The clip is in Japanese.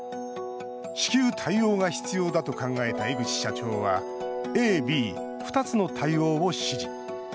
至急対応が必要だと考えた江口社長はＡ、Ｂ２つの対応を指示。